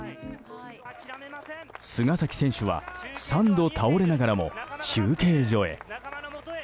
菅崎選手は３度倒れながらも中継所へ。